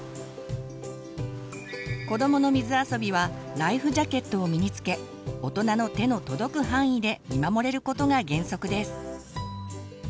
子どもの水あそびはライフジャケットを身に着けおとなの手の届く範囲で見守れることが原則です。